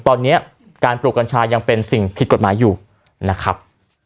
ตอนนี้การปลูกกัญชายังเป็นสิ่งผิดกฎหมายอยู่นะครับ